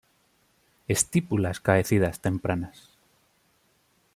Estípulas caedizas tempranas.